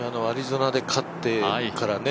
アリゾナで勝ってから。